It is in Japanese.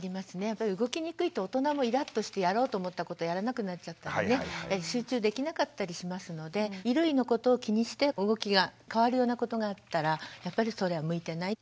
やっぱり動きにくいと大人もイラッとしてやろうと思ったことをやらなくなっちゃったりね集中できなかったりしますので衣類のことを気にして動きが変わるようなことがあったらやっぱりそれは向いてない。